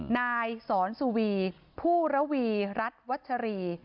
นายสอนสุวีผู้ระวีรัฐวัชรี